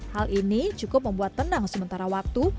hal ini cukup membuat tenang sementara waktu